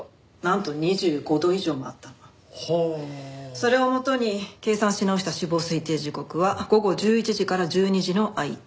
それを元に計算し直した死亡推定時刻は午後１１時から１２時の間。